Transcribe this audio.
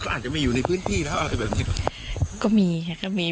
อาจจะไม่อยู่ในพื้นที่แล้วอะไรแบบนี้ก็มีค่ะก็มี